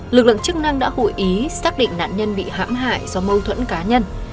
lực lượng chức năng đã hội ý xác định nạn nhân bị hãm hại do mâu thuẫn cá nhân